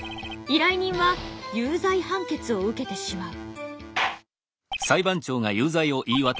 依頼人は有罪判決を受けてしまう。